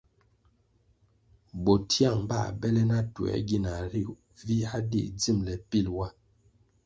Bo tiang bãh bele na tuĕr gina ri viáh dig dzimbele pil wa.